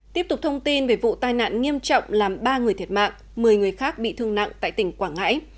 tiếp tục thông tin về vụ tai nạn nghiêm trọng làm ba người thiệt mạng một mươi người khác bị thương nặng tại tỉnh quảng ngãi